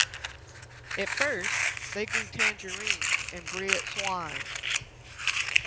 At first, they grew tangerines and bred swine.